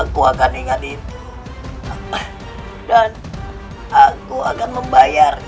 sekarang badanku sudah terasa membaik